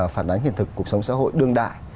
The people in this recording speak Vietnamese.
phản ánh hiện thực cuộc sống xã hội đương đại